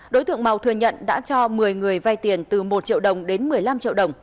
đối tượng màu thừa nhận đã cho một mươi người vay tiền từ một triệu đồng đến một mươi năm triệu đồng